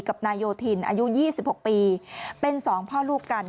กับนายโยธินอายุ๒๖ปีเป็น๒พ่อลูกกัน